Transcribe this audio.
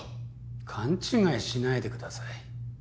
勘違いしないでください。